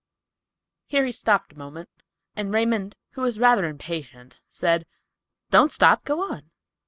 Here he stopped a moment, and Raymond, who was rather impatient, said, "Don't stop; go on."